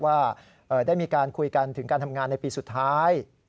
ว่าได้มีการคุยกันถึงการทำงานในปีสุดท้าย